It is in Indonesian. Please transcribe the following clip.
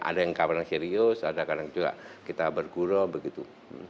ada yang kadang serius ada kadang juga kita bergurau begitu